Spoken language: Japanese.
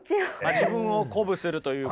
自分を鼓舞するというか。